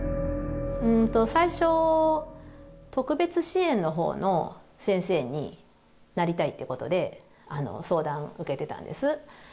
うんと最初特別支援の方の先生になりたいっていうことで相談受けてたんです